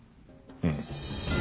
うん。